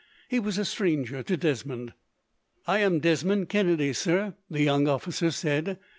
He was a stranger to Desmond. "I am Desmond Kennedy, sir," the young officer said.